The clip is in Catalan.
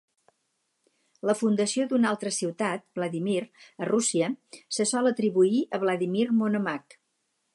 La fundació d'una altra ciutat, Vladimir, a Rússia, se sol atribuir a Vladimir Monomakh.